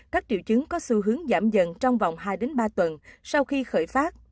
các triệu chứng có xu hướng giảm dần trong vòng hai ba tuần sau khi khởi phát